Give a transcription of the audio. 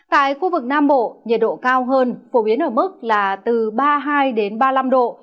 tại khu vực nam bộ nhiệt độ cao hơn phổ biến ở mức là từ ba mươi hai đến ba mươi năm độ